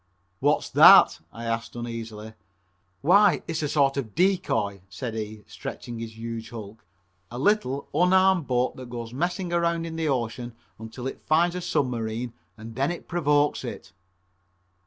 "What's that?" I asked uneasily. "Why, it's a sort of a dee coy," said he, stretching his huge hulk, "a little, unarmed boat that goes messing around in the ocean until it finds a submarine and then it provokes it."